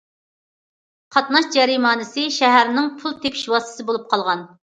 قاتناش جەرىمانىسى شەھەرنىڭ پۇل تېپىش ۋاسىتىسى بولۇپ قالغان.